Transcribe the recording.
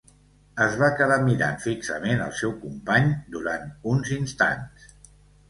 Es va quedar mirant fixament el seu company durant uns instants.